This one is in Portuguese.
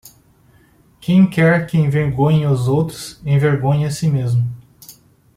Quem quer que envergonhe os outros, envergonha a si mesmo.